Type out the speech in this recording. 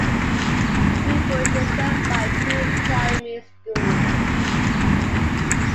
Bewbush is served by two Primary schools.